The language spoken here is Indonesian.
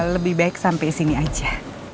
lebih baik sampai sini aja